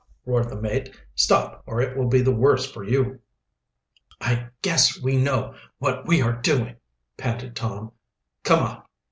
roared the mate. "Stop, or it will be the worse for you!" "I guess we know what we are doing!" panted Tom. "Come on!"